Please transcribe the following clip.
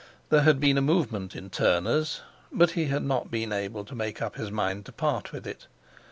There had been a movement in Turners, but he had not been able to make up his mind to part with it.